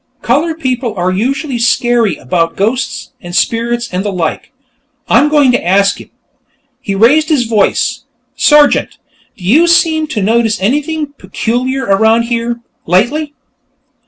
Colored people are usually scary about ghosts and spirits and the like.... I'm going to ask him." He raised his voice. "Sergeant, do you seem to notice anything peculiar around here, lately?"